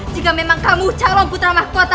jika memang kamu calon putra mahkota